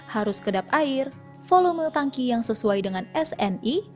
harus kedap air volume tangki yang sesuai dengan sni